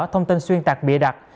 thông tin xuyên tạc bịa đặt